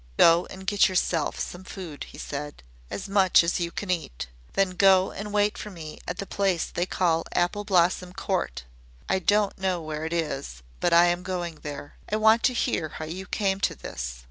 "Go and get yourself some food," he said. "As much as you can eat. Then go and wait for me at the place they call Apple Blossom Court. I don't know where it is, but I am going there. I want to hear how you came to this.